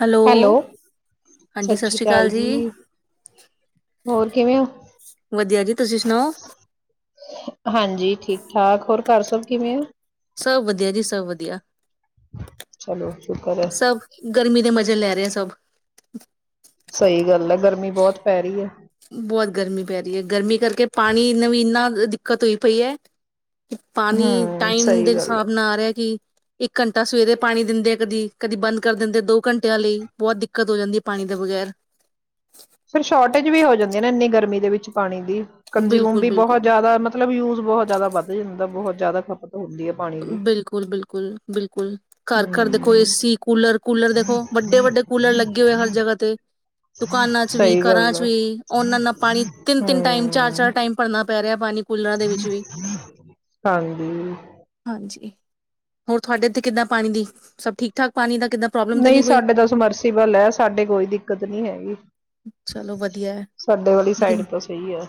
Hello ਹਾਂਜੀ ਸਤਿ ਸ਼੍ਰੀ ਅਕਾਲ ਜੀ ਹੋਰ ਕਿਵੇਂ ਹੋ? ਵਧੀਆ ਜੀ ਤੁਸੀਂ ਸੁਣਾਓ ਹਾਂਜੀ ਠੀਕ ਠਾਕ ਹੋਰ ਘਰ ਸਭ ਕਿਵੇਂ ਆ ਸਭ ਵਧੀਆ ਜੀ ਸਭ ਵਧੀਆ ਚਲੋ ਸ਼ੁਕਰ ਹੈ ਸਭ ਗਰਮੀ ਦੇ ਮਜ਼ੇ ਜੇ ਲੈ ਰਹੇ ਸਭ ਸਹੀ ਗੱਲ ਹੈ ਗਰਮੀ ਬਹੁਤ ਪੈ ਰਹੀ ਹੈ ਬਹੁਤ ਗਰਮੀ ਪੈ ਰਹੀ ਹੈ ਗਰਮੀ ਕਰਕੇ ਪਾਣੀ ਵੀ ਇੰਨਾ ਦਿੱਕਤ ਹੋਈ ਪਈ ਹੈ ਕਿ ਪਾਣੀ ਹਮ ਟਾਈਮ ਦੇ ਸਹੀ ਗੱਲ ਹੈ। ਹਿਸਾਬ ਨਾਲ ਆ ਰਿਹਾ ਕਿ ਇੱਕ ਘੰਟਾ ਸਵੇਰੇ ਪਾਣੀ ਦਿੰਦੇ ਆ ਕਦੀ ਕਦੀ ਬੰਦ ਕਰ ਦਿੰਦੇ ਦੋ ਘੰਟਿਆਂ ਲਈ ਬਹੁਤ ਦਿੱਕਤ ਹੋ ਜਾਂਦੀ ਹੈ ਪਾਣੀ ਦੇ ਬਗ਼ੈਰ ਫਿਰ ਸ਼ੋਰਟੇਜ ਵੀ ਹੋ ਜਾਂਦੀ ਨਾ ਇੰਨੀ ਗਰਮੀ ਦੇ ਵਿੱਚ ਪਾਣੀ ਦੀ ਕੰਜ਼ਿਊਮ ਬਿਲਕੁਲ ਵੀ ਬਿਲਕੁਲ ਬਹੁਤ ਜਿਆਦਾ ਮਤਲਬ ਯੂਜ ਬਹੁਤ ਜ਼ਿਆਦਾ ਵੱਧ ਜਾਂਦਾ ਬਹੁਤ [unintelligible] ਪਾਣੀ ਦੀ। ਬਿਲਕੁਲ ਬਿਲਕੁਲ ਬਿਲਕੁਲ ਘਰ ਘਰ ਦੇਖੋ ਹਮ ਏਸੀ ਕੂਲਰ ਕੂਲਰ ਦੇਖੋ ਵੱਡੇ ਵੱਡੇ ਕੂਲਰ ਲੱਗੇ ਹੋਏ ਹਰ ਜਗ੍ਹਾ ਤੇ ਦੁਕਾਨਾਂ ਚ ਵੀ ਸਹੀ ਘਰਾਂ ਗੱਲ ਚ ਆ ਵੀ ਨਾ ਨਾਲ ਪਾਣੀ ਤਿੰਨ ਤਿੰਨ ਟਾਈਮ ਚਾਰ ਹਮ। ਚਾਰ ਟਾਈਮ ਭਰਨਾ ਪੈ ਕਰਿਆ ਪਾਣੀ ਕੂਲਰਾਂ ਦੇ ਵਿੱਚ ਵੀ। ਹਾਂਜੀ ਹਾਂਜੀ ਹੋਰ ਤੁਹਾਡੇ ਇੱਥੇ ਕਿੱਦਾਂ ਪਾਣੀ ਦੀ ਸਭ ਠੀਕ ਠਾਕ ਪਾਣੀ ਦਾ ਕਿੱਦਾਂ ਪ੍ਰੋਬਲਮ ਤਾਂ ਨਹੀਂ ਕੋਈ? ਸਾਡੇ ਤਾਂ ਸਮਰਸੀਬਲ ਹੈ ਸਾਡੇ ਕੋਈ ਦਿੱਕਤ ਨੀ ਹੈਗੀ ਚਲੋ ਵਧੀਆ ਐ, ਸਾਡੇ ਵਾਲੀ ਸਾਈਡ ਲੇਕਿਨ ਤਾਂ ਸਹੀ ਹੈ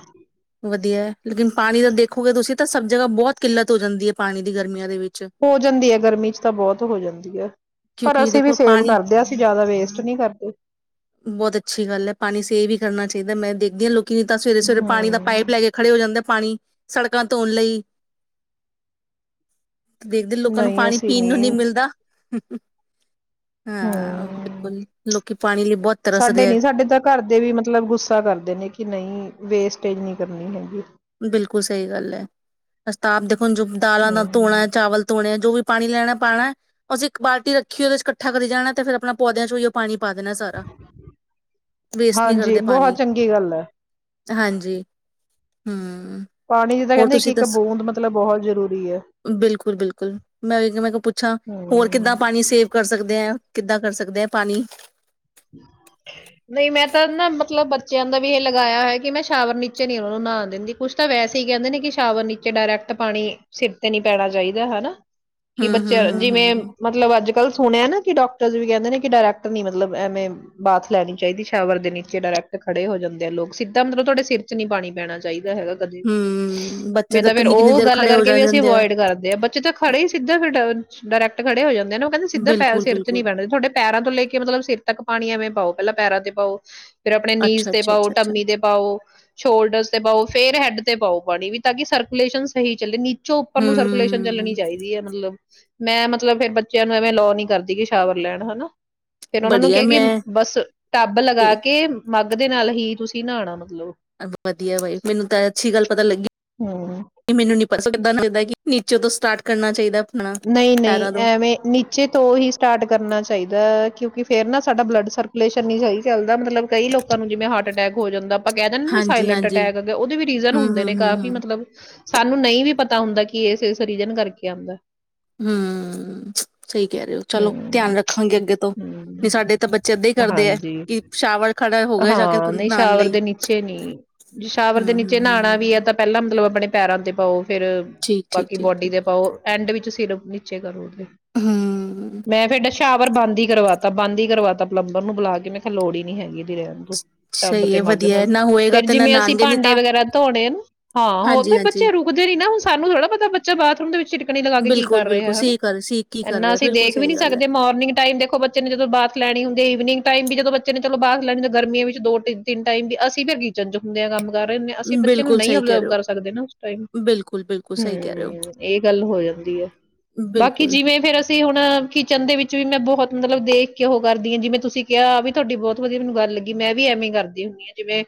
ਤ ਸਰਣ ਜਗ੍ਹਾ ਬੌਤ ਕਿੱਲਤ ਹੋ ਜਾਂਦੀ ਏ। ਪਾਣੀ ਦੀ ਗਰਮੀਆਂ ਦੇ ਵਿੱ ਹੋ ਜਾਂਦੀ ਐ ਗਰਮੀ ਚ ਤਾਂ ਬੌਤ ਹੋ ਜਾਂਦੀ ਐ, ਪਰ ਕਿਉਂਕਿ ਅਸੀਂ ਵੀ ਦੇਖੋ ਸੇਵ ਪਾਣੀ ਕਰਦੇ ਆਂ ਅਸੀਂ ਜੈਦਾ ਵੇਸਟ ਨੀ ਕਰਦੇ। ਏਧਰ ਮੈਂ ਦੇਖਦੀ ਆ ਲੋਕ ਕਿ ਤਾਂ ਸਵੇਰੇ ਸਵੇਰੇ ਪਾਣੀ ਦਾ ਪਾਈਪ ਲੈ ਕੇ ਖੜੇ ਹੋ ਜਾਂਦੇ ਆ ਪਾਣੀ ਸੜਕਾਂ ਧੋਣ ਲਈ। ਦੇਖਦੇ ਲੋਕਾਂ ਨੂੰ ਨਹੀਂ ਪਾਣੀ ਅਸੀਂ ਪੀਣ ਨੂੰ ਨੀ ਨਹੀਂ ਮਿਲਦਾ। [unintelligible] ਹਾਂ ਹੂੰ, ਬਿਲਕੁਲ ਲੋਕੀ ਪਾਣੀ ਲਈ ਬਹੁਤ ਤਰਸ ਸਾਡੇ ਰਹੇ ਨੀ ਸਾਡੇ ਤਾਂ ਘਰ ਦੇ ਵੀ ਮਤਲਬ ਗੁੱਸਾ ਕਰਦੇ ਨੇ ਕਿ ਨਹੀਂ ਵੇਸਟ ਟੇਜ ਨ੍ਹੀਂ ਕਰਨੀ ਹੈਗੀ। ਬਿਲਕੁਲ ਸਹੀ ਗੱਲ ਐ, ਏਸੀ ਤਾਂ ਆਪ ਦੇਖ ਹੁਣ ਜੋ ਦਾਲਾਂ ਨਾਲ ਹਮ ਧੋਣੈ ਚਾਵਲ ਧੋਣੇ ਐ ਜੋ ਵੀ ਪਾਣੀ ਲੈਣਾ ਪਾਣੈ ਅਸੀਂ ਇੱਕ ਬਾਲਟੀ ਰੱਖੀ ਔਦੇ ਚ ਕੱਠਾ ਕਰੀ ਜਾਣੈ ਤੇ ਫੇਰ ਅਪਣਾ ਪੌਦਿਆਂ ਚੋਂ ਔਈਔ ਪਾਣੀ ਪਾ ਦੇਣਾ ਸਾਰਾ ਵੇਸਟ ਨੀ ਹਾਂਜੀ ਕਰਦੇ ਬਹੁਤ ਪਾਣੀ। ਚੰਗੀ ਗੱਲ ਹੈ ਹਾਂਜੀ। ਹੂੰ। ਪਾਣੀ ਜਿੱਦਾਂ ਹੋਰ ਕਹਿੰਦੇ ਇੱਕ ਤੁਸੀਂ ਇੱਕ ਦੱਸੋ? ਬੂੰਦ ਮਤਲਬ ਬਹੁਤ ਜ਼ਰੂਰੀ ਹੈ। ਬਿਲਕੁਲ-ਬਿਲਕੁਲ, ਮੈਂ ਵੀ ਕੇਹਾ ਮੈਂ ਕਿਹਾ ਪੁੱਛਾਂ, ਹੋਰ ਕਿੱਦਾਂ ਹਮ ਪਾਣੀ ਸੇਵ ਕਰ ਸਕਦੇ ਆ? ਕਿੱਦਾਂ ਕਰ ਸਕਦੇ ਆ ਪਾਣੀ? ਨਹੀਂ ਮੈਂ ਤਾਂ ਨਾ ਮਤਲਬ ਬੱਚਿਆਂ ਦਾ ਵੀ ਏਹ ਲਗਾਯਾ ਹੋਆ ਏ ਕਿ ਮੈਂ ਸ਼ਾਵਰ ਨੀਚੇ ਨੀ ਔਨਾ ਨੂੰ ਨਾਨ ਦਿੰਦੀ, ਕੁਛ ਤਾਂ ਵੈਸੇ ਈ ਕੈੰਦੇ ਨੇ ਕਿ ਸ਼ਾਵਰ ਨੀਚੇ ਡਾਰੈਕਟ ਪਾਣੀ ਸਿਰ ਤੇ ਨੀ ਪੈਣਾ ਚਾਹੀਦਾ ਹੈਨਾ। ਕਿ ਹੂੰ ਹੂੰ ਬੱਚਿਆਂ ਹੂੰ ਜਿਵੇਂ ਹੂੰ ਮਤਲਬ ਅੱਜ ਕਲ ਸੁਣਿਆ ਨਾ ਕਿ ਡਾਕਟਰਸ ਵੀ ਕੈੰਦੇ ਨੇ ਕਿ ਡਾਰੈਕਟ ਨੀ ਮਤਲਬ ਐਵੇਂ ਬਾਥ ਲੈਣੀ ਚਾਹੀਦੀ ਸ਼ਾਵਰ ਦੇ ਨੀਚੇ, ਡਾਰੈਕਟ ਖੜੇ ਹੋ ਜਾਂਦੇ ਐ ਲੋਗ, ਸਿੱਧਾ ਮਤਲਬ ਤੁਹਾਡੇ ਸਿਰ ਚ ਨੀ ਪਾਣੀ ਪੈਣਾ ਚਾਹੀਦਾ। ਦੈ ਹੈਗਾ ਕਦੀ, ਹੂੰ ਬੱਚੇ ਮੈਂ ਤਾਂ ਫੇਰ ਕਿੰਨੀ ਕਿੰਨੀ ਔ ਦੇਰ ਗੱਲ ਖੜੇ ਹੋ ਕਰਕੇ ਜਾ ਵੀ ਅਸੀਂ ਜਾਂਦੇ ਆ ਅਵੋਇਡ ਕਰਦੇ ਆਂ, ਬੱਚੇ ਤਾਂ ਖੜੇ ਹੀ ਸਿੱਧੇ ਰੀਟਰਣ ਡਾਰੈਕਟ ਖੜੇ ਹੋ ਜਾਂਦ ਦੇ ਨੇ, ਔ ਕੈੰਦੇ ਸਿੱਧਾ ਪੈਰ ਬਿਲਕੁਲ ਸਿਰ ਚ ਨੀ ਬਿਲਕੁਲ ਪੈਣਾ, ਥੋਡੇ ਪੈਰਾਂ ਤੋਂ ਲੈ ਕੇ ਮਤਲਬ ਸਿਰ ਪਾਣੀ ਐਵੇਂ ਪਾਓ, ਪੈਲਾਂ ਪੈਰਾਂ ਤੇ ਪਾਓ। ਫੇਰ ਅਪਣੇ ਨੀਜ਼ ਅੱਛਾ ਤੇ ਅੱਛਾ ਪਾਓ, ਅੱਛਾ ਅੱਛਾ ਟਮੀ ਤੇ ਪਾਓ, ਸ਼ੋਲਡਰਸ ਤੇ ਪਾਓ, ਫੇਰ ਹੈਡ ਤੇ ਪਾਓ ਪਾਣੀ ਵੀ ਤਾਂ ਕਿ ਸਰਕੂਲੇਸ਼ਨ ਸਹੀ ਚੱਲੇ, ਨੀਚ ਚੋ ਉੱਪਰ ਨੂੰ ਸਰਕੂਲੇਸ਼ਨ ਚੱਲਣੀ ਹੂੰ ਚਾਹੀਦੀ ਐ ਮਤਲਬ। ਮੈਂ ਮਤਲਬ ਫੇਰ ਬੱਚਿਆਂ ਨੂੰ ਐਵੇਂ ਅਲੋਅ ਨੀ ਕਰਦੀ ਕਿ ਸ਼ਾਵਰ ਲੈਣ ਹੈਨਾ। ਫੇਰ ਔਨਾਂ ਨੂੰ ਵਧੀਆ ਕੈ ਕਿ ਮੈਂ ਬਸ ਟੱਬ ਲਗਾ ਇਹ ਕੇ ਮੱਗ ਦੇ ਨਾਲ ਹੀ ਤੁਸੀਂ ਨਾਹਣਾ ਵਾ। ਵਧੀਆ ਬਾਈ, ਮੈਨੂੰ ਤਾਂ ਅੱਛੀ ਗੱਲ ਪਤਾ ਲੱਗੀ ਹਮ ਮੈਨੂੰ ਨੀ [unintelligible] ਕਿ ਨੀਚੇ ਤੋਂ ਸਟਾਰਟ ਕਰਨਾ ਚਾਹੀਦਾ। ਆਪਣਾ ਨਹੀਂ-ਨਹੀਂ ਪੈਰਾਂ ਤੋਂ ਐਵੇਂ ਨੀਚੇ ਤੋਂ ਹੀ ਸਟਾਰਟ ਕਰਨਾ ਚਾਹੀਦਾ। ਕਿਉਂਕਿ ਫੇਰ ਨਾ ਸਾਡਾ ਬਲੱਡ ਸਰਕੂਲੇਸ਼ਨ ਨਹੀਂ ਸਹੀ ਚੱਲਦਾ, ਮਤਲਬ ਕਈ ਲੋਕਾਂ ਨੂੰ ਜਿਵੇਂ ਹਾਰਟ ਅਟੈਕ ਹੋ ਜਾਂਦਾ। ਆਪਾਂ ਕਹਿ ਦਿੰਦੇ ਵੀ ਹਾਂਜੀ ਸਾਇਲੈਂਟ ਹਾਂਜੀ ਅਟੈਕ ਹੇਗੇ, ਉਹਦੇ ਵੀ ਰੀਜ਼ਨ ਹੂੰ ਹੁੰਦੇ ਹੂੰ ਨੇ ਹੂੰ ਕਾਫ਼ੀ ਹੂੰ ਮਤਲਬ। ਸਾਨੂੰ ਨਹੀਂ ਵੀ ਪਤਾ ਹੁੰਦਾ ਕਿ ਇਸ ਇਸ ਰੀਜਨ ਕਰਕੇ ਆਉਂਦਾ। ਹਮ ਸਹੀ ਕਹਿ ਰਹੇ ਹੋ ਚਲੋ, ਧਿਆਨ ਹਮ ਰੱਖਾਂਗੇ ਅੱਗੇ ਤੋਂ, ਹਮ ਨਹੀਂ ਸਾਡੇ ਤਾਂ ਬੱਚੇ ਏਦਾਂ ਹੀ ਕਰਦੇ ਹੈ, ਹਾਂਜੀ ਕਿ ਸ਼ਾਵਲ ਖੜਾ ਹੋ ਗਿਆ ਜਾ ਕੇ ਹਾਂ, ਨਹੀਂ ਨਹਾਉਣ ਸ਼ਾਵਰ ਲਈ, ਦੇ ਨੀਚੇ ਨੀ। ਜੇ ਸ਼ਾਵਰ ਦੇ ਨੀਚੇ ਨਹਾਣਾ ਵੀ ਐ ਹਮ-ਹਮ-ਹਮ। ਤਾਂ ਪਹਿਲਾਂ ਮਤਲਬ ਆਪਣੇ ਪੈਰਾਂ ਤੇ ਪਾਓ ਫਿਰ ਬਾਕੀ ਬੋਡੀ ਦੇ ਪਾਓ, ਐਂਡ ਵਿੱਚ ਸਿਰ ਨੀਚੇ ਕਰੋ ਹੂੰ। ਮੈਂ ਫਿਰ ਡਾ ਸ਼ਾਵਰ ਬੰਦ ਹੀ ਕਰਵਾ ਤਾਂ ਬੰਦ ਹੀ ਕਰਵਾਤਾ ਪਲੰਬਰ ਨੂੰ ਬੁਲਾ ਕੇ, ਮੈਂ ਕਿਹਾ ਲੋੜ ਹੀ ਨੀ ਹੈਗੀ ਇਹਦੀ ਰਹਿਣ ਦੌ। ਟੱਬ ਸਹੀ ਤੇ ਹੈ ਮੱਗ ਵਧੀਆ ਨਾਲ, ਨਾ ਹੋਏਗਾ ਫੇਰ ਤੇ ਨਾ ਜਿਵੇਂ ਅਸੀਂ ਨਾਣਗੇ ਨੀ ਭਾਂਡੇ ਤਾਂ ਵਗੈਰਾ ਧੋਣੇ ਆ ਨਾ, ਹਾਂ ਹੋ ਵੀ ਬੱਚੇ ਹਾਂਜੀ-ਹਾਂਜੀ। ਰੁਕਦੇ ਨੀ ਨਾ, ਹੁਣ ਸਾਨੂੰ ਥੋੜ੍ਹਾ ਪਤਾ ਬੱਚਾ ਬਾਥਰੂਮ ਦੇ ਵਿੱਚ ਟਿਟਕਣੀ ਲਗਾ ਕੇ ਕਰ ਰਹੇ ਬਿਲਕੁਲ-ਬਿਲਕੁਲ ਹਨਾ? ਸਹੀ ਕਰ ਸਹੀ ਕੀ ਕਰ ਇੰਨਾ ਰਿਹਾ ਅਸੀਂ ਬਿਲਕੁਲ ਦੇਖ ਵੀ ਨੀ ਸਹੀ ਗੱਲ ਹੈ। ਸਕਦੇ, ਮੋਰਨਿੰਗ ਟਾਈਮ ਦੇਖੋ ਬੱਚੇ ਨੇ ਜਦੋਂ ਬਾਥ ਲੈਣੀ ਹੁੰਦੀ ਈਵਨਿੰ ਈਵਨਿੰਗ ਟਾਈਮ ਵੀ ਜਦੋਂ ਬੱਚੇ ਨੇ ਚਲੋ ਬਾਥ ਲੈਣੀ, ਤਾਂ ਗਰਮੀਆਂ ਵਿੱਚ ਦੋ ਟਿਨ ਤਿੰਨ ਟਾਈਮ ਵੀ ਅਸੀਂ ਵੀ ਹੈਗੀ ਚੰਜ ਹੁੰਦਿਆਂ ਕੰਮ ਕਰ ਆਨੇ ਆ, ਅਸੀਂ ਬੱਚੇ ਨੂੰ ਬਿਲਕੁਲ ਨਹੀਂ ਸਹੀ ਕਹਿ ਓਬਜਰਵ ਰਹੇ ਕਰ ਹੋ, ਸਕਦੇ ਨਾ ਉਸ ਟਾਈਮ, ਬਿਲਕੁਲ-ਬਿਲਕੁਲ ਸਹੀ ਕਹਿ ਰਹੇ ਹੋ, ਹਮ ਇਹ ਗੱਲ ਹੋ ਜਾਂਦੀ ਹੈ। ਬਾਕੀ ਬਿਲਕੁਲ। ਜਿਵੇਂ ਫੇਰ ਅਸੀਂ ਹੁਣ ਕਿਚਨ ਦੇ ਵਿੱਚ ਵੀ ਮੈਂ ਬਹੁਤ ਮਤਲਬ ਦੇਖ ਕੇ ਉਹ ਕਰਦੀ ਹੈ ਜਿਵੇਂ ਤੁਸੀਂ ਕਿਹਾ ਵੀ ਤੁਹਾਡੀ ਬਹੁਤ ਵਧੀਆ ਮੈਨੂੰ ਗੱਲ ਲੱਗੀ ਮੈਂ ਵੀ ਐਵੇਂ ਕਰਦੀ ਹੁਣੀ ਆ। ਜਿਵੇਂ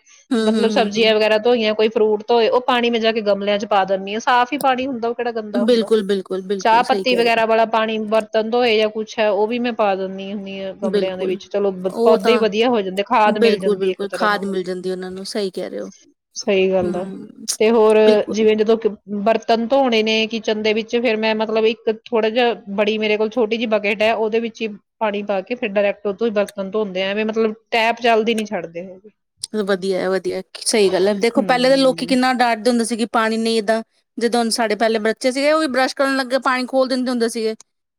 ਮਤਲਬ ਸਬਜ਼ੀਆਂ ਹੂੰ-ਹੂੰ-ਹੂੰ-ਹੂੰ, ਵਗੈਰਾ ਧੋਈਆਂ ਕੋਈ ਫਰੂਟ ਧੋਏ ਉਹ ਪਾਣੀ ਮੈਂ ਜਾ ਕੇ ਗਮਲਿਆਂ ਚ ਪਾ ਦਿਨੀ ਹਾਂ ਸਾਫ਼ ਹੀ ਪਾਣੀ ਹੁੰਦਾ। ਕਿਹੜਾ ਗੰਦਾ ਹੁੰਦਾ। ਬਿਲਕੁਲ ਬਿਲਕੁਲ ਬਿਲਕੁਲ ਚਾਹ ਪੱਤੀ ਵਗੈਰਾ ਵਾਲਾ ਪਾਣੀ ਵਰਤਣ ਤੋਂ ਜਾਂ ਕੁੱਛ ਹੈ ਉਹ ਵੀ ਮੈਂ ਪਾ ਦਿੰਦੀ ਹਾਂ ਗਮਲਿਆਂ ਦੇ ਬਿਲਕੁਲ। ਵਿੱਚ ਚਲੋ ਉਹ ਪੌਦੇ ਤਾਂ ਵਧੀਆ ਹੋ ਜਾਂਦੇ ਖਾਦ ਮਿਲ ਬਿਲਕੁਲ ਜਾਂਦੀ ਇੱਕ ਬਿਲਕੁਲ ਤਰ੍ਹਾਂ ਖਾਦ ਨੂੰ ਮਿਲ ਜਾਂਦੀ ਉਹਨਾਂ ਨੂੰ ਸਹੀ ਕਹਿ ਰਹੇ ਹੋ ਸਹੀ ਗੱਲ ਆ ਹਮ ਤੇ ਹੋਰ ਬਿਲਕੁਲ ਜਿਵੇਂ ਜਦੋਂ ਬਰਤਨ ਧੋਣੇ ਨੇ ਕਿ ਚੰਦੇ ਵਿੱਚ ਫੇਰ ਮੈਂ ਮਤਲਬ ਇੱਕ ਥੋੜਾ ਜਿਹਾ ਬੜੀ ਮੇਰੇ ਕੋਲ ਛੋਟੀ ਜਿਹੀ ਬਕੇਟ ਹੈ ਉਹਦੇ ਵਿੱਚ ਹੀ ਪਾਣੀ ਪਾ ਕੇ ਫੇਰ ਡਾਇਰੈਕਟ ਉਹੋਂ ਹੀ ਬਰਤਨ ਧੋਂਦੇ ਆ ਮਤਲਬ ਟੈਪ ਚੱਲਦੀ ਨੀ ਛੱਡਦੇ ਹੈਗੇ ਵਧੀਆ ਵਧੀਆ ਸਹੀ ਗੱਲ ਹੈ ਦੇਖੋ ਪਹਿਲੇ ਤਾਂ ਲੋਕੀ ਹਮ ਕਿੰਨਾ ਡਰਦੇ ਹੁੰਦੇ ਸੀਗੇ ਪਾਣੀ ਨਹੀਂ ਏਦਾਂ ਜਿੱਦੇ ਹੁਣ ਸਾਡੇ ਪਹਿਲੇ ਬੱਚੇ ਸੀਗੇ ਉਹ ਵੀ ਬਰੱਸ਼ ਕਰਨ ਲੱਗੇ ਪਾਣੀ ਖੋਲ੍ਹ ਦਿੰਦੇ ਹੁੰਦੇ ਸੀਗੇ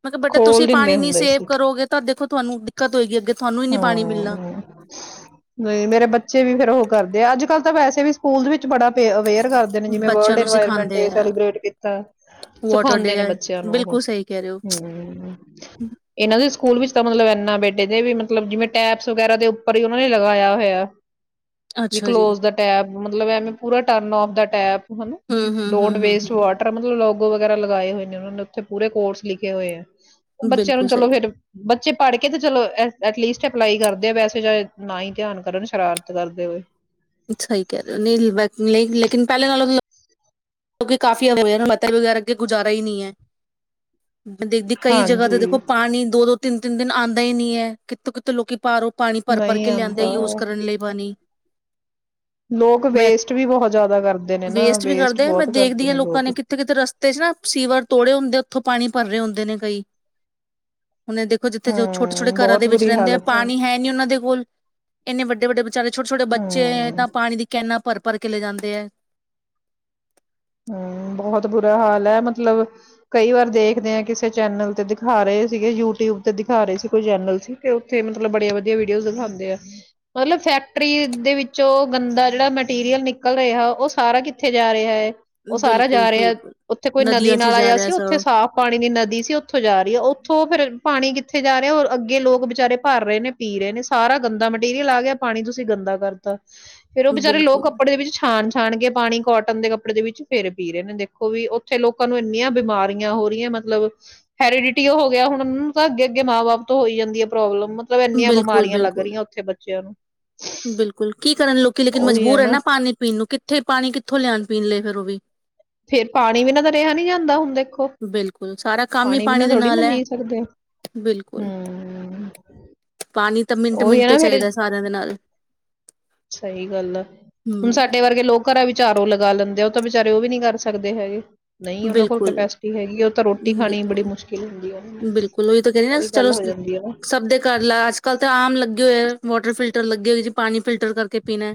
ਮੈਂ ਕਿਹਾ ਬੇਟਾ ਤੁਸੀਂ ਖੋਲ ਦਿੰਦੇ ਪਾਣੀ ਨੀ ਹੁੰਦੇ ਸੇਵ ਕਰੋਗੇ ਤਾਂ ਦੇਖੋ ਤੁਹਾਨੂੰ ਦਿੱਕਤ ਹੋਏਗੀ ਅੱਗੇ ਤੁਹਾਨੂੰ ਹੀ ਨੀ ਪਾਣੀ ਮਿਲਣਾ ਹੂੰ ਨਹੀਂ ਮੇਰਾ ਬੱਚਾ ਬੱਚੇ ਵੀ ਫੇਰ ਉਹ ਕਰਦੇ ਆ ਅੱਜ ਕੱਲ ਤਾਂ ਵੈਸੇ ਵੀ ਸਕੂਲ ਦੇ ਵਿੱਚ ਬੜਾ ਅਵੇਅਰ ਕਰਦੇ ਨੇ ਜਿਵੇਂ ਬੱਚਿਆਂ ਵਰਲਡ ਨੂੰ ਇਨਵਾਇਰਮੈਂਟ ਸਿਖਾਉਂਦੇ ਡੇ ਆ ਸੈਲੀਬ੍ਰਟ ਕੀਤਾ ਵਾਟਰ ਸਿਖਾਉਂਦੇ ਡੇ ਨੇ ਆ ਬੱਚਿਆਂ ਨੂੰ ਉਹ ਬਿਲਕੁਲ ਸਹੀ ਕਹਿ ਰਹੇ ਹੋ ਹਾਂ ਇਹਨਾਂ ਦੇ ਸਕੂਲ ਵਿੱਚ ਤਾਂ ਮਤਲਬ ਇੰਨਾ ਬੇਟੇ ਦੇ ਵੀ ਮਤਲਬ ਜਿਵੇਂ ਟੈਪਸ ਵਗੈਰਾ ਦੇ ਉੱਪਰ ਹੀ ਉਹਨਾਂ ਨੇ ਲਗਾਇਆ ਹੋਇਆ। ਵੀ ਅੱਛਾ ਜੀ ਕਲੋਜ ਦਾ ਟੈਬ ਮਤਲਬ ਐਵੇਂ ਪੂਰਾ। ਟਰਨ ਔਫ ਦਾ ਟੈਪ। ਹਨਾ ਹਮ hmm don't hmm hmm waste hmm water ਮਤਲਬ ਲੋਕ। ਵਗੈਰਾ ਲਗਾਏ ਹੋਏ ਨੇ ਉਹਨਾਂ ਨੇ, ਉੱਥੇ ਪੂਰੇ ਕੋਰਸ ਲਿਖੇ ਹੋਏ ਹੈ। ਬੱਚਿਆਂ ਨੂੰ ਬਿਲਕੁਲ ਚਲੋ ਸਹੀ ਫੇਰ ਬੱਚੇ ਪੜ੍ਹ ਕੇ ਤੇ ਚਲੋ ਐਟਲਿਸਟ ਅਪਲਾਈ ਕਰਦੇ ਆ ਵੈਸੇ ਨਾ ਹੀ ਧਿਆਨ ਕਰਨ ਸ਼ਰਾਰਤ ਕਰਦੇ ਹੋਏ। ਸਹੀ ਕਹਿ ਰਹੇ ਹੋ ਨਹੀਂ ਕਿਉਂਕਿ ਕਾਫ਼ੀ [unintelligible] ਵਗੈਰਾ ਅੱਗੇ ਗੁਜ਼ਾਰਾ ਹੀ ਨਹੀਂ ਹੈ। ਮੈਂ ਦੇਖਦੀ ਕਈ ਜਗ੍ਹਾ ਤੇ ਹਾਂਜੀ ਦੇਖੋ ਪਾਣੀ ਦੋ ਦੋ। ਤਿੰਨ ਤਿੰਨ ਦਿਨ ਆਂਦਾ ਹੀ ਨੀ ਹੈ ਕਿੱਥੋਂ ਕਿਥੋਂ ਲੋਕੀ। ਬਾਹਰੋਂ ਉਹ ਪਾਣੀ ਭਰ ਭਰ ਨਹੀਂ ਕੇ ਲਿਆਂਦੇ ਆਉਂਦਾ ਯੂਜ ਕਰਨ ਲਈ ਪਾਣੀ। ਲੋਕ ਮੈਂ ਵੇਸਟ ਵੀ ਬਹੁਤ ਜ਼ਿਆਦਾ ਕਰਦੇ ਨੇ ਨਾ ਵੀ ਵੇਸਟ। ਕਰਦੇ ਮੈਂ ਬਹੁਤ ਦੇਖਦੀ ਕਰਦੇ ਹਾਂ ਲੋਕਾਂ ਲੋਕ ਨੇ ਕਿੱਥੇ ਕਿਤੇ ਰਸਤੇ ਚ ਨਾ ਸੀਵਰ ਤੋੜੇ ਹੁੰਦੇ ਆ ਉੱਥੋਂ। ਪਾਣੀ ਭਰ ਰਹੇ ਹੁੰਦੇ ਨੇ ਕਈ। ਹੁਣ ਦੇਖੋ ਜਿੱਥੇ ਜੋ ਛੋਟੇ ਛੋਟੇ ਹਮ ਘਰਾਂ ਬਹੁਤ ਦੇ ਵਿੱਚ ਬੁਰੀ ਰਹਿੰਦੇ ਆ ਹਾਲਤ ਪਾਣੀ ਹੈ ਨੀ ਉਹਨਾਂ ਦੇ ਕੋਲ ਇਨੇ ਵੱਡੇ ਵੱਡੇ ਵਿਚਾਰੇ ਛੋਟੇ ਛੋਟੇ ਬੱਚੇਏ ਹਮ ਤਾਂ ਪਾਣੀ ਦੀ ਕੈਨਾ ਭਰ। ਘਰ ਕਿਲੇ ਜਾਂਦੇ ਹੈ ਹਮ ਬਹੁਤ ਬੁਰਾ ਹਾਲ ਹੈ ਮਤਲਬ ਕਈ ਵਾਰ ਦੇਖਦੇ ਆ ਕਿਸੇ ਚੈਨਲ ਤੇ ਦਿਖਾ ਰਹੇ ਸੀਗੇ ਯੂਟਿਊਬ ਤੇ ਦਿਖਾ ਰਹੇ ਸੀ ਕੋਈ ਚੈਨਲ ਸੀ ਤੇ ਉੱਥੇ ਮਤਲਬ ਬੜੀਆਂ ਵਧੀਆ ਵੀਡੀਓ ਦਿਖਾਉਂਦੇ ਆ ਮਤਲਬ ਫੈਕਟਰੀ ਦੇ ਵਿੱਚੋ ਗੰਦਾ ਜਿਹੜਾ ਮਟੀਰੀਅਲ ਨਿਕਲ ਰਿਹਾ ਉਹ ਸਾਰਾ ਕਿੱਥੇ ਜਾ ਰਿਹਾ ਹੈ। ਉਹ ਸਾਰਾ ਬਿਲਕੁਲ ਜਾ ਰਿਹਾ ਬਿਲਕੁਲ ਉੱਥੇ ਕੋਈ ਨਦੀ ਨਦੀਆਂ 'ਚ ਹੀ ਨਾਲ ਜਾ ਆਇਆ ਰਿਹਾ ਸੀ ਉੱਥੇ ਸਭ ਸਾਫ਼ ਪਾਣੀ ਦੀ ਨਦੀ ਸੀ ਉੱਥੋਂ ਜਾ ਰਹੀ ਹੈ। ਉੱਥੋਂ ਫੇਿਰ ਪਾਣੀ ਕਿੱਥੇ ਜਾ ਰਿਹਾ ਅੱਗੇ ਲੋਕ ਵਿਚਾਰੇ ਭਰ ਰਹੇ ਨੇ ਪੀ ਰਹੇ ਨੇ ਸਾਰਾ ਗੰਦਾ ਮਟੀਰੀਅਲ ਆ ਗਿਆ ਪਾਣੀ ਤੁਸੀਂ ਗੰਦਾ ਕਰਤਾ। ਫੇਰ ਉਹ ਵਿਚੇਚਾਰੇ ਲੋਕ ਬਿਲਕੁਲ ਕੱਪੜੇ ਦੇ ਵਿੱਚ ਛਾਣ। ਛਾਣਗੇ ਪਾਣੀ ਕੋਟਨ ਦੇ ਕੱਪੜੇ ਦੇ ਵਿੱਚ ਫੇਰੇ ਪੀ ਰਹੇ ਨੇ ਦੇਖੋ ਵੀ ਉੱਥੇ ਲੋਕਾਂ ਨੂੰ ਇੰਨੀਆਂ ਬਿਮਾਰੀਆਂ ਹੋ ਰਹੀਆਂ ਮਤਲਬ ਹੈਰੀਡਿਟੀ ਹੋ ਗਿਆ ਹੁਣ ਤਾਂ ਅੱਗੇ ਅੱਗੇ ਮਾਂ ਬਾਪ ਤੋਂ ਹੋਈ ਜਾਂਦੀ ਹੈ ਪ੍ਰੋਬਲਮ। ਮਤਲਬ ਇੰਨੀਆਂ ਬਿਲਕੁਲ ਬਿਮਾਰੀਆਂ ਲੱਗ ਬਿਲਕੁਲ ਰਹੀਆਂ ਉੱਥੇ ਬੱਚਿਆਂ ਨੂੰ। ਬਿਲਕੁਲ ਕੀ ਕਰਨ ਲੋਕੀ ਲੇਕਿਨ ਮਜਬੂਰ ਹੈ ਨਾ ਪਾਣੀ ਪੀਣ ਨੂੰ ਕਿੱਥੇ ਪਾਣੀ ਕਿੱਥੋਂ ਲਿਆਉਣ ਪੀਣ ਲਈ? ਫਿਰ ਉਹ ਵੀ। ਫੇਰ ਪਾਣੀ ਬਿਨਾ ਤਾਂ ਰਿਹਾ ਨਹੀਂੀ ਜਾਂਦਾ ਹੁਣ ਦੇਖੋ ਬਿਲਕੁਲ ਸਾਰਾ ਕੰਮ ਹੀ ਪਾਣੀ ਵੀਿ ਨਾ ਦੇ ਥੋੜੀ ਨਾ ਨਾਲ ਹੈ ਜੀਅ ਸਕਦੇ ਬਿਲਕੁਲ ਹਮ। ਪਾਣੀ ਤਾਂ ਮਿੰਟ ਮਿੰਟ ਚਾਹੀਦਾ ਸਾਰਿਆਂ ਦੇ ਨਾਲ। ਸਹੀ ਗੱਲ ਆ ਹੁਣ ਹਮ ਸਾਡੇ ਵਰਗੇ ਲੋਕ ਘਰਾਂ ਵਿਚ ਆਰ ਓ ਲਗਾ ਲੈਂਦੇ ਆ। ਤਾਂ ਵਿਚਾਰੇ ਉਹ ਵੀ ਨੀ ਕਰ ਸਕਦੇ ਹੈਗੇ। ਨਹੀਂ ਉਹਨਾਂ ਕੋਲ ਬਿਲਕੁਲ ਕਪੈਸਿਟੀ ਹੈਗੀ ਉਹ ਤਾਂ ਰੋਟੀ ਖਾਣੀ ਬੜੀ ਬਿਲਕੁਲ ਮੁਸ਼ਕਿਲ ਹੁੰਦੀ ਆ ਉਹਨਾਂ ਨੂੰ ਬਿਲਕੁਲ ਉਹੀ ਤਾਂ ਕਹਿੰਣੀ ਨਾ ਗੱਲ ਚਲੋ ਹੋ ਜਾਂਦੀ ਹੈ ਨਾ। ਸਭ ਦੇ ਘਰ ਆਜ ਕੱਲ ਤਾਂ ਆਮ ਲੱਗੇ ਹੋਏ ਆ ਵਾਟਰ ਫਿਲਟਰ ਲੱਗੇ ਹੋਏ ਜੀ ਪਾਣੀ। ਫਿਲਟਰ ਕਰਕੇ ਪੀਣਾ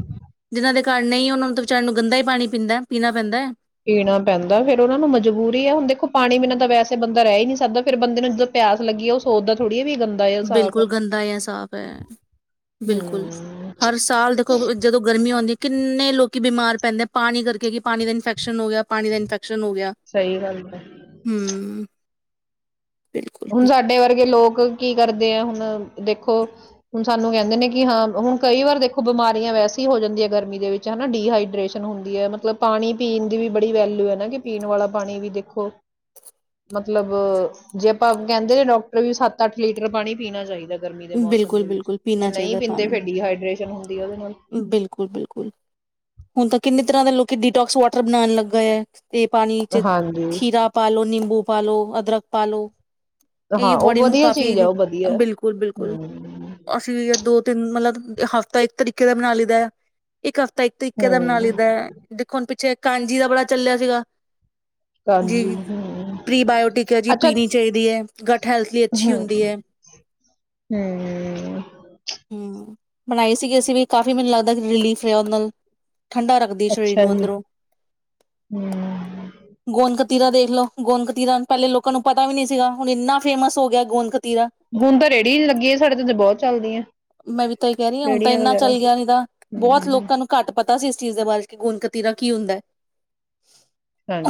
ਜਿਹਨਾਂ ਦੇ। ਘਰ ਨਹੀਂ ਉਹਨਾਂ ਨੂੰ ਤਾਂ ਵਿਚਾਰਿਆਂ ਨੂੰ ਗੰਦਾ ਈ ਪਾਣੀ ਪੀਂਦਾ ਪੀਣਾ ਪੈਂਦਾ ਹੈ। ਪੀਣਾ ਪੈਂਦਾ ਫੇਰ ਉਹਨਾਂ ਨੂੰ ਮਜਬੂਰੀ ਆ ਹੁਣ ਦੇਖੋ, ਪਾਣੀ ਬਿਨਾਂ ਤਾਂ ਵੈਸੇ ਬੰਦਾ ਰਹਿ ਹੀ ਨੀ ਸਕਦਾ ਫੇਰ ਬੰਦੇ ਨੂੰ ਜਦੋਂ ਪਿਆਸ ਲੱਗੀ ਆ ਉਹ ਸੋਚਦਾ ਥੋੜ੍ਹਾ ਬਿਲਕੁਲ ਗੰਦਾ ਜਾਂ ਸਾਫ਼ ਹੈ, ਬਿਲਕੁਲ ਹੂੰ ਹਰ ਸਾਲ ਦੇਖੋ ਜਦੋਂ ਗਰਮੀ ਆਉਂਦੀ। ਕਿੰਨੇ ਲੋਕ ਬਿਮਾਰ ਪੈਂਦੇ ਪਾਣੀ ਕਰਕੇ ਕਿ ਪਾਣੀ ਦਾ ਇਨਫੈਕਸ਼ਨ ਹੋ ਗਿਆ ਪਾਣੀ ਦਾ ਇਨ ਫੈਕਸਨ ਹੋ ਗਿਆ ਸਹੀ ਗੱਲ ਹੈ। ਹੂੰ, ਹੁਣ ਸਾਡੇ ਵਰਗੇ ਲੋਕ, ਕੀ ਕਰਦੇ ਆ ਹੁਣ ਦੇਖੋ, ਹੁਣ ਸਾਨੂੰ ਕਹਿੰਦੇ ਨੇ ਕਿ ਹਾਂ ਹੁਣ ਕਈ ਵਾਰ ਦੇਖੋ ਬਿਮਾਰੀਆਂ ਵੈਸੇ ਹੋ ਜਾਂਦੀਆਂ ਹੈ ਗਰਮੀ ਦੇ ਵਿੱਚ ਹਨਾ ਡੀਹਾਈਡ੍ਰੇਸ਼ਨ ਹੁੰਦੀ ਹੈ ਮਤਲਬ ਪਾਣੀ ਪੀਣ ਦੀ ਵੀ ਬੜੀ ਵੈਲਊ ਹੈ ਨਾ ਕਿ ਪੀਣ ਵਾਲਾ ਪਾਣੀ ਵੀ ਦੇਖੋ। ਮਤਲਬ ਜੇ, ਕਹਿੰਦੇ ਨੇ ਡਾਕਟਰ ਵੀ ਸੱਤ ਅੱਠ ਲੀਟਰ ਪਾਣੀ ਪੀਣਾ ਚਾਹੀਦਾ। ਗਰਮੀ ਦੇ ਮੌਸਮ ਬਿਲਕੁਲ ਦੇ ਵਿੱਚ ਬਿਲਕੁਲ ਜੇ ਪੀਣਾ ਨਹੀਂ ਚਾਹੀਦਾ ਪੀਂਦੇ ਪਾਣੀ ਫਿਰ ਡੀਹਾਈਡ੍ਰੇਸ਼ਨ ਹੁੰਦੀ ਆ ਉਹਦੇ ਨਾਲ ਬਿਲਕੁਲ ਬਿਲਕੁਲ ਹੁਣ ਤਾਂ ਕਿੰਨੇ ਤਰ੍ਹਾਂ ਦੇ ਲੋਕੀ ਡਿਟੋਕਸ ਵਾਟਰ ਬਣਾਉਣ ਲੱਗਾ ਹੈ। ਤੇ ਪਾਣੀ ਚ ਹਾਂਜੀ ਖੀਰਾ ਪਾਲੋ ਨਿੰਬੂ ਪਾਲੋ ਅਦਰਕ, ਪਾਲੋ, ਹਾਂ ਉਹ ਵਧੀਆ ਚੀਜ਼ ਹੈ ਉਹ ਵਧੀਆ, ਬਿਲਕੁਲ ਬਿਲਕੁਲ ਹੂੰ, ਅਸੀਂ ਵੀ ਦੋ ਤਿੰਨ ਮਤਲਬ ਹਫ਼ਤਾ ਇੱਕ ਤਰੀਕੇ ਦਾ ਬਣਾ ਲਈਦਾ ਆ ਇੱਕ ਹਫ਼ਤ ਤਾਂ ਇੱਕ ਤੇ ਇੱਕਦਮ ਨਾਂ ਹਮ ਲਈਦੈ ਦੇਖੋ ਹੁਣ ਪਿੱਛੇ ਕਾਂਜੀ ਦਾ ਬੜਾ ਚੱਲਿਆ ਸੀਗਾ। ਹਾਂਜੀ ਜੀ, ਹਮ ਪ੍ਰੀਬਾਇਓਟਿਕ ਹੈ ਜੀ, ਅੱਛਾ ਪੀਣੀ ਚਾਈਦੀ ਐ। ਗਟ ਹੈਲਥ ਲਈ ਅੱਛੀ ਹਮ ਹੁੰਦੀ ਐ। ਹਮ ਹੂੰ। ਬਣਾਈ ਸੀਗੀ ਅਸੀ ਵੀ ਕਾਫ਼ੀ ਮੈਨੂੰ ਲੱਗਦਾ ਰ ਰਿਲੀਫ ਰਿਹਾ ਉਹਦੇ ਨਲ ਠੰਡਾ ਰੱਖਦੀ ਸਰੀਰ ਅੱਛਾ ਨੂੰ ਜੀ ਅੰਦਰੋਂ, ਹਮ ਗੋਦ ਕ ਤੀਰਾ ਦੇਖ ਲੋ, ਗੋਂਦਕਤੀਰਾ ਪੈਲੇ ਲੋਕਾਂ ਨੂੰ ਪਤਾ ਵੀ ਨੀ ਸੀਗਾ ਹੁਣ ਇੰਨਾ ਫੇਮਸ ਹੋ ਗਿਐ ਗੋਂਦਕ ਹੁਨ ਤਾਂ ਰੇੜੀ ਮੈਂ ਵੀ ਤਾਂ ਐਈ ਕੈ ਰਈ ਆਂ ਹੁਣ ਤਾਂ ਰੇਹੜੀਆਂ ਇੰਨਾ ਵਗੈਰਾ ਚੱਲ ਗਿਆ ਨਈ ਤਾਂ ਬੋਹੋਤ ਹਮ ਲੋਕਾਂ ਨੂੰ ਘੱਟ ਪਤਾ ਸੀ ਇਸ ਚੀਜ਼ ਦੇ ਬਾਰੇ ਕਿ ਹੋਂਦਕਤੀਰਾ ਕੀ ਹੁੰਦਾ ਐ।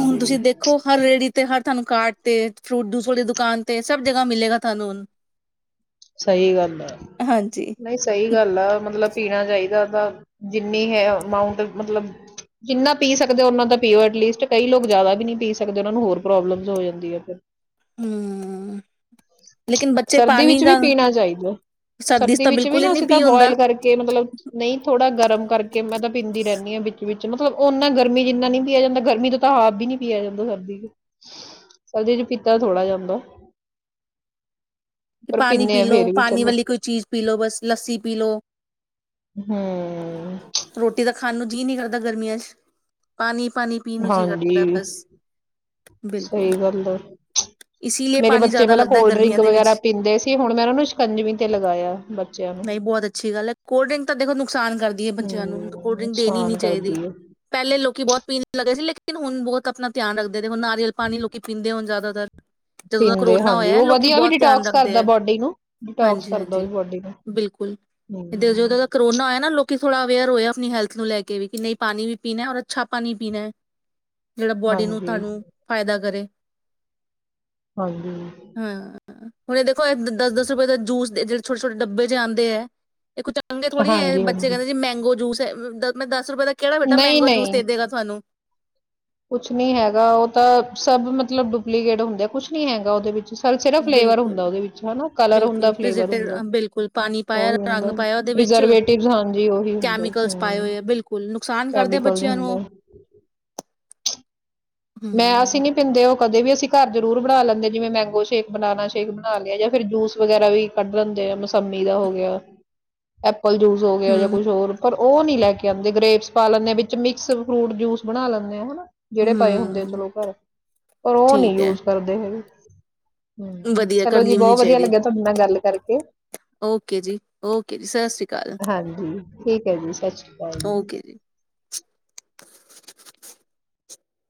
ਹੁਣ ਤੁਸੀ ਦੇਖੋ ਹਰ ਰੇੜੀ ਤੇ, ਹਰ ਤੁਆਨੂੰ ਕਾਰਟ ਤੇ, ਫਰੂਟ ਦੂਸ ਵਾਲੀ ਦੁਕਾਨ ਤੇ ਸਭ ਜਗ੍ਹਾ ਮਿਲੇਗਾ ਤੁਹਾਨੂੰ ਹੁਣ। ਸਈ ਗੱਲ ਐ। ਹਾਂਜੀ ਨਈ ਸਈ ਗੱਲ ਆ ਮਤਲਬ ਪੀਣਾ ਚਾਹੀਦਾ। ਦਾ, ਜਿੰਨੀ ਹੈ ਅਮਾਊਟ ਮਤਲਬ ਜਿੰਨਾ ਪੀ ਸਕਦੇ ਔ ਔਨਾਂ ਤਾ ਪੀਔ। ਐਟਲੀਸਟ ਕਈ ਲੋਕ ਜਿਆਦਾ ਵੀ ਨੀ ਪੀ ਸਕਦੇ ਉਹਨਾ ਨੂੰ ਹੋਰ ਪ੍ਰੋਬਲਮ ਜੋ ਹੋ ਜਾਂਦੀ ਐ, ਫੇਰ। ਹੂੰ, ਲੇਕਿਨ ਬੱਚੇ ਸਰਦੀ ਪਾਣੀ ਵਿੱਚ ਵੀ ਦਾ ਪੀਣਾ ਚਾਹੀਦੈ। ਚ ਸਰਦੀ ਤਾਂ ਵਿੱਚ ਵੀ ਬਿਲਕੁਲ ਹੀ ਨਾ ਨਹੀਂ ਅਸੀ ਤਾਂ ਪੀ ਹੁੰਦਾ ਬੋਇਲ ਕਰਕੇ ਮਤਲਬ ਨਈ ਥੋੜਾ ਗਰ ਮ ਕਰ ਕਿ ਮੈਂ ਤਾਂ ਪੀਂਦੀ ਰੈਨੀ ਆਂ ਬਿੱਚ ਵਿੱਚ ਕਿ ਮਤਲਬ ਔ ਨਾ ਗਰਮੀ ਚ ਇੰਨਾ ਨੀ ਪਿਆ ਜਾਂਦਾ। ਗਰਮੀ ਤੋਂ ਤਾਂ ਹਾਫ਼ ਬੀ ਨੀ ਪਿਆ ਜਾਂਦਾ ਸਰਦੀ ਚ ਸਰਦੀ ਚ ਪੀਤਾ ਥੋੜ੍ਹਾ ਜਾਂਦਾ। ਤੇ ਪਰ ਪਾਣੀ ਪੀਂਦੇ ਪੀ ਆ ਲੋ, ਫੇਰ ਵੀ ਪਾਣੀ ਚਲੋ ਵਾਲੀ ਕੋਈ ਚੀਜ਼ ਪੀ ਲੋ, ਬਸ ਲੱਸੀ ਪੀ ਲੋ। ਹੂੰ। ਤਾਂ ਖਾਣ ਨੂੰ ਜੀਅ ਨੀ ਕਰਦਾ ਗਰਮੀਆਂ ਚ ਪਾਣੀ ਪਾਣੀ ਪੀ ਨੂੰ ਜੀਅ ਕਰਦੈ ਹਾਂਜੀ ਬਸ। ਬਿਲਕੁਲ, ਸਹੀ ਗੱਲ ਆ ਇਸੀ ਲੀਏ ਮੇਰੇ ਪਾਣੀ ਬੱਚੇ ਜਾਦਾ ਪਹਿਲਾਂ ਲੱਗਦੈ ਕੋਲਡ ਡਰਿੰਕ ਗਰਮੀਆਂ ਦੇ ਵਿੱਚ। ਵਗੈਰਾ ਪੀਂਦੇ ਸੀ ਹੁਣ ਮੈਂ ਉਹਨਾਂ ਨੂੰ ਸ਼ਿਕੰਜਵੀ ਤੇ ਲਗਾਇਆ ਬੱਚਿਆਂ ਨੂੰ ਨਈ ਬੋਤ ਅੱਛੀ ਗੱਲ ਐ ਕੋਲਡ ਡਰਿੰਕ ਤਾਂ ਦੇਖੋ ਨੁਕਸਾਨ ਕਰਦੀ ਏ ਬੱਚਿਆਂ ਹਮ ਨੂੰ। ਓਨ ਤ ਕੋਲਡ ਡਰਿੰਕ ਦੇਣੀ ਨੀ ਨੁਕਸਾਨ ਚਾਈਦੀ। ਕਰਦੀ ਹੈ ਪੈਲੇ ਲੋਕੀ ਬੋਤ ਪੀਣ ਲਗੇ ਸੀ ਲੇ ਕਿਨ ਹੁਣ ਬੋਤ ਅਪਣਾ ਧਿਆਨ ਰੱ ਦੇ ਦੇਖੋ ਨਾਰੀਅਲ ਪਾਣੀ ਲੋਕੀ ਪੀਂਦੇ ਹੋਣ ਜਾਦਾ ਪੀਂਦੇ ਹਾਂਜੀ ਔ ਵਧੀਆ ਵੀ ਡਿਟੋਕਸ ਕਰ ਹਾਂਜੀ-ਹਾਂਜੀ, ਬੋਡੀ ਨੂੰ ਬਿਲਕੁਲ ਏਧਰ ਹਮ ਜਦੋਂ ਦਾ ਕਰੋਨਾ ਆਇਆ ਨਾ ਲੋ ਕੀ ਥੋੜਾ ਅਵੇਅਰ ਹੋਏ ਆ ਆਪਣੀ ਹੈਲਥ ਨੂੰ ਲੈ ਕੇ ਵੀ ਕਿ ਨਈ ਪਾਣੀ ਵੀ ਪਿਨੈ ਔਰ ਅੱਛਾ ਪਾਣੀ ਪੀਨੈ ਜੇੜਾ ਬੋਡੀ ਨੂੰ ਹਾਂਜੀ ਤਾਨੂੰ ਫਾਇਦਾ ਕਰੇ। ਹਾਂਜੀ ਹਾਂ ਹੁਣ ਦੇਖੋ ਦਸ ਦਸ ਰੁਪਏ ਦਾ ਜੂਸ ਜਿਹੜੇ ਛੋਟੇ ਛੋਟੇ ਡੱਬੇ ਚ ਆਂਦੇ ਆ ਹੈ ਪੰੰਗੇ ਥੋੜੀ ਹਾਂਜੀ ਬੱਚੇ ਹਾਂਜੀ ਕਹਿੰਦੇ ਜੀ ਮੈਂਗੋ ਜੂਸ ਦੱਸ ਮੈਂ ਦੱਸ ਦੱਸ ਰੁਪਏ ਕਿਹੜਾ ਬੇਟਾ ਨਹੀਂ ਮੈਂਗੋ ਜੂਸ ਦੇ ਨਹੀਂ ਦੇਗਾ ਤੁਹਾਨੂੰ ਕੁਛ ਨੀ ਹੈਗਾ ਉਹ ਤਾਂ ਸਭ ਮਤਲਬ ਡੁਪਲੀਕੇਟ ਹੁੰਦੇ ਕੁਛ ਨੀ ਹੈਗਾ ਉਹਦੇ ਵਿੱਚ ਸ ਫਲੇਵਰ ਬਿਲਕੁਲ ਹੁੰਦਾ ਉਹਦੇ ਵਿੱਚਾ ਕਲ ਹੁੰਦਾ ਬਿਲਕੁਲ ਫਵਰ ਹੁੰਦਾਹੀ ਪ੍ਰੀਜ਼ਰਵੇਟਿਵ ਬਿਲਕੁਲ ਪਾਣੀ ਹੁੰ ਪਾਇਆ ਰੰਗ ਪਾਇਆ ਉਹਦੇ ਵਿੱਚ ਹੁੰ ਕੈਮੀਕਲਸ ਪਾਏ ਹੋਏ ਆ ਬਿਲਕੁਲ ਨੁਕਸਾਨ ਹਮ ਕਰਦੇ ਆ ਬੱਚਿਆਂ ਨੂੰ ਉਹ। ਹੁੰ ਮੈਂ ਹਮ ਅਸੀਂ ਨੀ ਪੀਂਦੇ ਉਹ ਕਦੇ ਵੀ ਅਸੀਂ ਘਰ ਜਰੂਰ ਬਣਾ ਲੈਂਦੇ ਜਿਵੇਂ ਮੈਂਗੋ ਸ਼ੇਕ ਬਨਾਨਾ ਸ਼ੇਕ ਬਣਾ ਲਿਆ ਜਾਂ ਫਿਰ ਜੂਸ ਵਗੈਰਾ ਵੀ ਕੱਢ ਲੈਂਦੇ ਆ ਮਸੰਮੀ ਦਾ ਹੋ ਗਿਆ [unintelligible] ਜੂਸ ਹੋ ਗਿਆ ਜਾਂ ਹਮ ਕੁਛ ਹੋਰ ਪਰ ਉਹ ਨਹੀਂ ਲੈ ਕੇ ਆਉਂਦੇ ਗ੍ਰਰੇਬਸ ਪਾ ਲੈਂਦੇ ਆ ਵਿੱਚ ਮਿਕਸ ਫਰੂਟ ਜੂਸ ਬਣਾ ਲੈਂਦੇ ਆ ਹਨਾ ਜਿਹੜੇ ਪਏ ਹੁੰਦੇ ਹਮ ਚਲੋ ਘਰ ਪਰ ਉਹ ਨੀ ਠੀਕ ਹੈ ਯੂਜ ਕਰਦੇ ਹੈਗੇ ਵਧੀਆ ਚਲੋ ਜੀ ਕਰਨੀ ਵੀ ਨਹੀਂ ਬਹੁਤ ਵਧੀਆ ਚਾਹੀਦੀ ਲੱਗਿਆ ਤੁਹਾਡੇ ਨਾਲ ਗੱਲ ਕਰਕੇ ਓਕੇ ਜੀ ਓਕੇ ਜੀ ਸਤਿ ਸ਼੍ਰੀ ਅਕਾਲ ਹਾਂਜੀ ਠੀਕ ਹੈ ਜੀ ਸੱਚ ਓਕੇ ਜੀ